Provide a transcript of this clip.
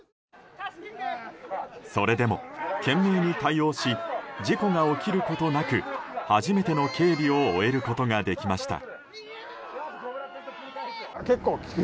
それでも、懸命に対応し事故が起きることなく初めての警備を終えることができました。